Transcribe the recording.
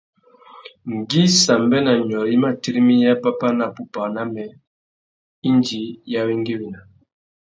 Ngüi Sambê na Nyôrê i mà tirimiya pápá a nù wapupamú na mê, indi i awengüina.